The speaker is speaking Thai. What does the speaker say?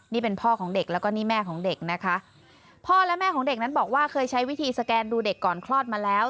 นี่เป็นพ่อของเด็กแล้วก็นี่แม่ของเด็กนะคะพ่อและแม่ของเด็กนั้นบอกว่าเคยใช้วิธีสแกนดูเด็กก่อนคลอดมาแล้ว